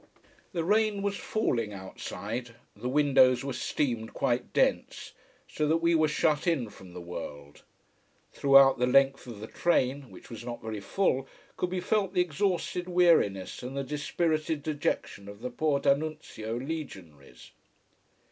The rain was falling outside, the windows were steamed quite dense, so that we were shut in from the world. Throughout the length of the train, which was not very full, could be felt the exhausted weariness and the dispirited dejection of the poor D'Annunzio legionaries.